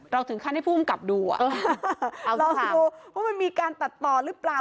ถึงขั้นให้ผู้กำกับดูรอดูว่ามันมีการตัดต่อหรือเปล่า